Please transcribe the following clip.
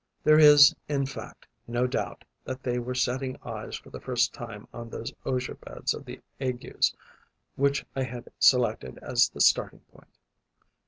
There is, in fact, no doubt that they were setting eyes for the first time on those osier beds of the Aygues which I had selected as the starting point.